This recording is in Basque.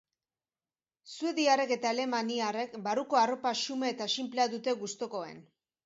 Suediarrek eta alemaniarrek barruko arropa xume eta sinplea dute gustukoen.